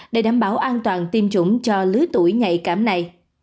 để đảm bảo an toàn tiêm chủng cho lứa tuổi nhạy cảm này